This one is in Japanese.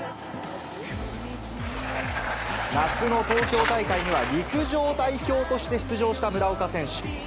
夏の東京大会には陸上代表として出場した村岡選手。